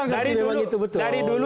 dari dulu dari dulu